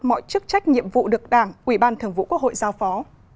mọi chức trách nhiệm vụ được đảng ủy ban thường vụ quốc hội giao phó